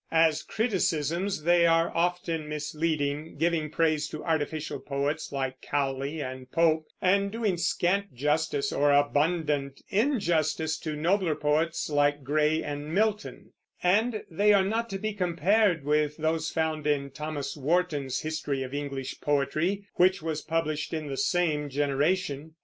As criticisms they are often misleading, giving praise to artificial poets, like Cowley and Pope, and doing scant justice or abundant injustice to nobler poets like Gray and Milton; and they are not to be compared with those found in Thomas Warton's History of English Poetry, which was published in the same generation.